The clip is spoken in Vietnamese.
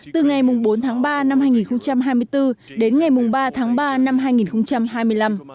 từ ngày bốn tháng ba năm hai nghìn hai mươi bốn đến ngày ba tháng ba năm hai nghìn hai mươi năm